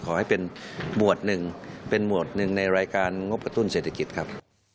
ขอให้เป็นหมวดหนึ่งเป็นหมวดหนึ่งในรายการงบกระตุ้นเศรษฐกิจครับ